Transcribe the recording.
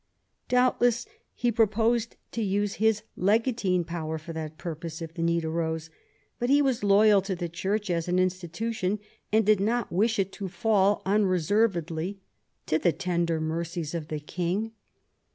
Doubtless he proposed to use his legatine power for that purpose if the need arose ; but he was loyal to the Church as an institution, and did not wish it to fall unreservedly to the tender mercies of the king.